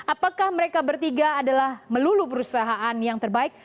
apakah mereka bertiga adalah melulu perusahaan yang terbaik